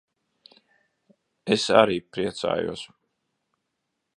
Es arī priecājos.